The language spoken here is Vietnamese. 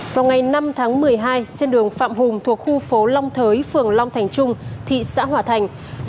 vào ngày năm tháng một mươi hai trên đường phạm hùng thuộc khu phố long thới phường long thành trung thị xã hòa thành